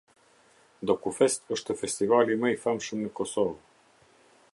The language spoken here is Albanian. Dokufest është festivali më i famshëm në Kosovë.